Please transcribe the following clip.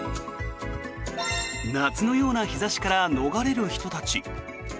夏のような日差しから逃れる人たち。